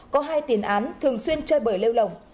có hai tiền án thường xuyên chơi bởi lêu lồng